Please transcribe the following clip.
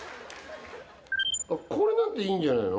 これなんていいんじゃないの？